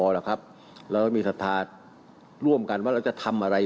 เราก็มีศรัทธาร่วมกันว่าเราจะทำอะไร